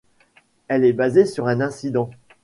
Elle est basée sur un incident.